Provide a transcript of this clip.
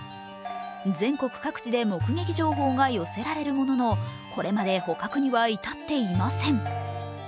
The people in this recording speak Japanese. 全国各地で目撃情報が寄せられるものの、これまで捕獲には至っていません。